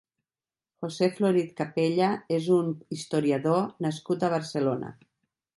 José Florit Capella és un historiador nascut a Barcelona.